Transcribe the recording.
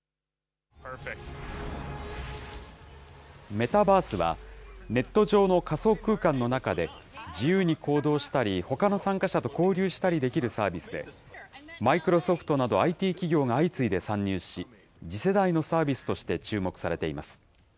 メタバースは、ネット上の仮想空間の中で、自由に行動したり、ほかの参加者と交流したりできるサービスで、マイクロソフトなどＩＴ企業が相次いで参入し、次世代のサービスとして注目されています。